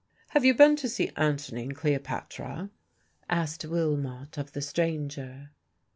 "Have you been to see Antony and Cleopatra?" asked Willmott of the stranger.